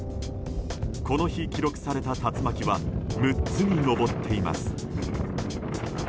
この日記録された竜巻は６つに上っています。